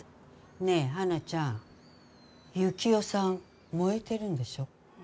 ねえ、花ちゃん幸男さん、燃えてるんでしょ。